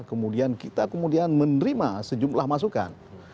kemudian kita kemudian menerima sejumlah masukan